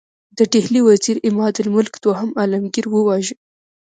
د ډهلي وزیر عمادالملک دوهم عالمګیر وواژه.